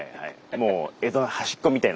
もう江戸の端っこみたいな。